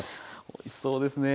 おいしそうですね。